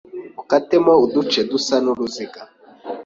ukatemo uduce dusa n’uruziga